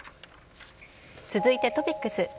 続いてトピックス。